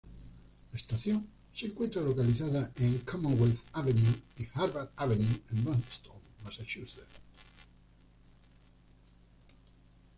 La estación se encuentra localizada en Commonwealth Avenue y Harvard Avenue en Boston, Massachusetts.